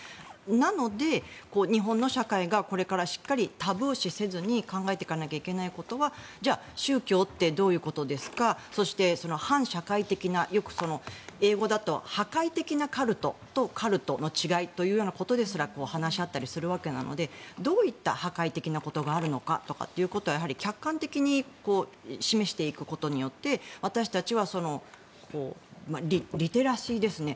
なので、日本の社会がこれからしっかりタブー視せずに考えていかないといけないことはじゃあ、宗教ってどういうことですかそして、反社会的なよく、英語だと破壊的なカルトとカルトの違いというようなことですら話し合ったりするのでどういった破壊的なことがあるのかとかということを客観的に示していくことによって私たちは、リテラシーですね。